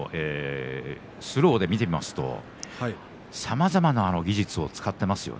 スローで見てみますとさまざまな技術を使っていますよね。